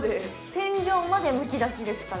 天井までむき出しですから。